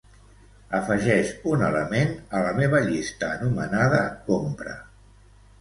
Afegeix un element a la meva llista anomenada "compra".